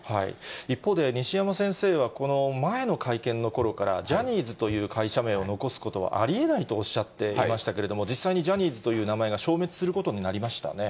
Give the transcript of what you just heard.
一方で、西山先生はこの前の会見のころから、ジャニーズという会社名を残すことはありえないとおっしゃっていましたけれども、実際にジャニーズという名前が消滅することになりましたね。